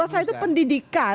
jadi saya ingin pak musa